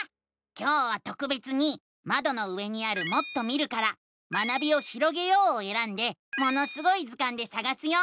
今日はとくべつにまどの上にある「もっと見る」から「学びをひろげよう」をえらんで「ものすごい図鑑」でさがすよ。